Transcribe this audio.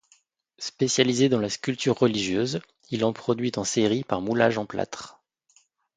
Spécialisé dans la sculpture religieuse, il en produit en série par moulage en plâtre.